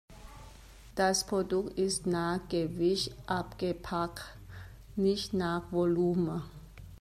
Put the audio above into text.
Das Produkt ist nach Gewicht abgepackt, nicht nach Volumen.